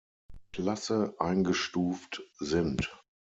Klasse eingestuft sind.